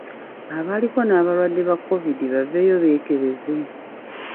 Abaaliko n'abalwadde ba kovidi baveeyo beekebeze.